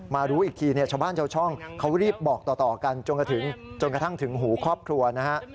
รู้อีกทีเนี่ยชาวบ้านชาวช่องเขารีบบอกต่อกันจนกระทั่งถึงหูครอบครัวนะฮะ